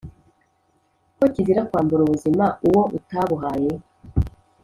ko kizira kwambura ubuzima uwo utabuhaye